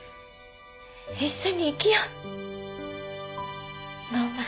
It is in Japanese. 一緒に生きよう？